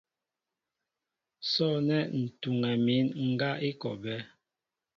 Sɔ̂nɛ́ ǹ tuŋɛ mín ŋgá i kɔ a bɛ́.